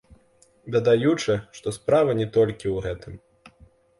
Дадаючы, што справа не толькі ў гэтым.